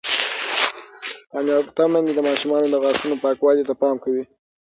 تعلیم یافته میندې د ماشومانو د غاښونو پاکوالي ته پام کوي.